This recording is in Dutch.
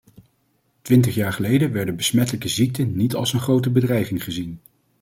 Twintig jaar geleden werden besmettelijke ziekten niet als een grote bedreiging gezien.